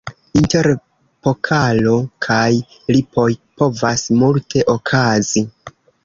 Inter pokalo kaj lipoj povas multe okazi.